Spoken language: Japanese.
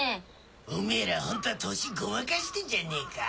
おめぇらホントは年ごまかしてんじゃねえか？